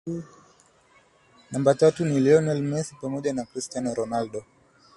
Namba tatu ni Lionel Messi pamoja na Christiano Ronaldo